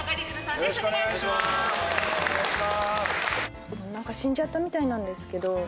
よろしくお願いします。